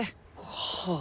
はあ。